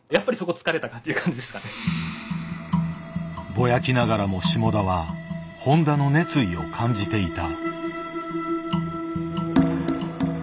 ぼやきながらも下田は誉田の熱意を感じていた。